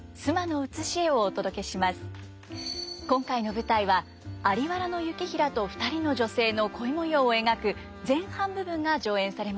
今回の舞台は在原行平と２人の女性の恋模様を描く前半部分が上演されました。